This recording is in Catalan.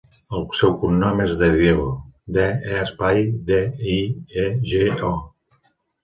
El seu cognom és De Diego: de, e, espai, de, i, e, ge, o.